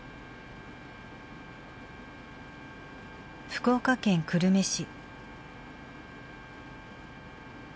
福岡県久留米市。